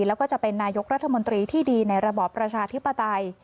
แล้วก็จะเป็นนายกรัฐมนตรีที่ดีในระบอบประชาธิปไตย